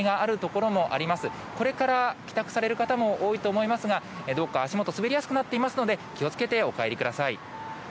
これから帰宅される方も多いと思いますが、どうか足元、滑りやすくなってますので気をつけてお帰りください。